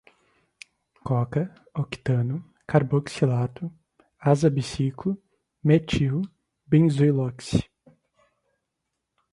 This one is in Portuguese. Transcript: coca, octano, carboxilato, azabiciclo, metil, benzoiloxi